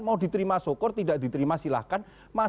mau diterima sokor tidak diterima silahkan